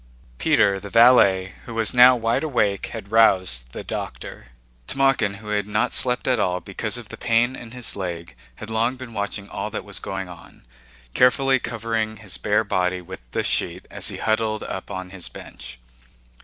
Peter the valet, who was now wide awake, had roused the doctor. Timókhin, who had not slept at all because of the pain in his leg, had long been watching all that was going on, carefully covering his bare body with the sheet as he huddled up on his bench.